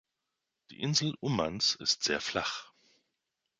Die Insel Ummanz ist sehr flach.